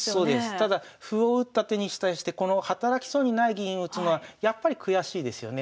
ただ歩を打った手に対してこの働きそうにない銀を打つのはやっぱり悔しいですよね。